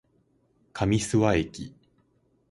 上諏訪駅